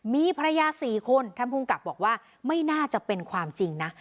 มีภรรยา๔คนท่านภูมิกับบอกว่าไม่น่าจะเป็นความจริงนะ